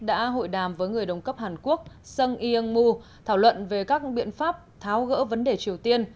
đã hội đàm với người đồng cấp hàn quốc sung il mu thảo luận về các biện pháp tháo gỡ vấn đề triều tiên